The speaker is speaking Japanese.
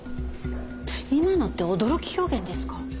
今のって驚き表現ですか？